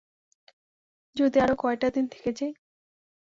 যদি আরও কয়টা দিন থেকে যাই?